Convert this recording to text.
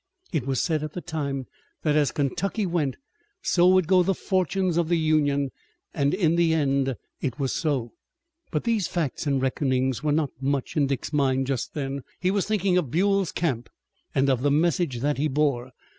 It was said at the time that as Kentucky went, so would go the fortunes of the Union and in the end it was so. But these facts and reckonings were not much in Dick's mind just then. He was thinking of Buell's camp and of the message that he bore.